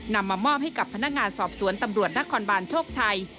นำมามอบให้กับพนักงานสอบสวนตำรวจนครบานโชคชัย